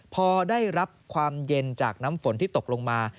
พอได้รับความเย็นจากน้ำฝนที่ตกลงมา